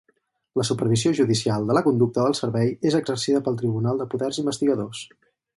La supervisió judicial de la conducta del servei és exercida pel Tribunal de Poders Investigadors.